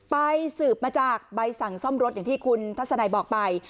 สืบมาจากใบสั่งซ่อมรถอย่างที่คุณทัศนัยบอกไป